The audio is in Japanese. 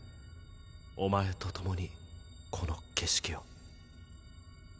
お前と共にこの景色を。